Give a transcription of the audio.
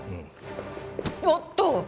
おっと！